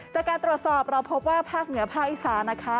จากการตรวจสอบเราพบว่าภาคเหนือภาคอีสานนะคะ